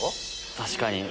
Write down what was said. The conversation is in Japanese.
確かに。